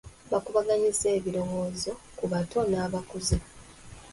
Bakubaganyizza ebirowoozo ku bato n'abakuze.